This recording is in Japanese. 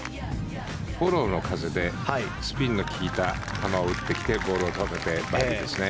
フォローの風でスピンの利いた球を打ってきてバーディーですね。